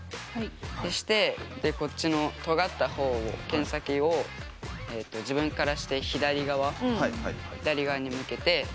そしてこっちのとがった方をけん先を自分からして左側左側に向けて。